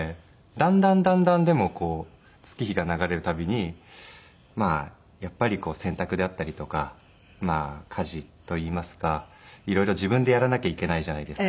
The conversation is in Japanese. だんだんだんだんでも月日が流れる度にやっぱり洗濯であったりとか家事といいますか色々自分でやらなきゃいけないじゃないですか。